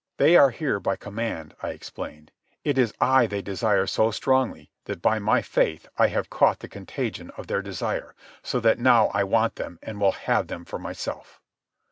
"They are here by command," I explained. "It is I they desire so strongly that by my faith I have caught the contagion of their desire, so that now I want them and will have them for myself."